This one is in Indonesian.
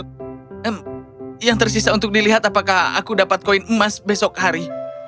hmm yang tersisa untuk dilihat apakah aku dapat koin emas besok hari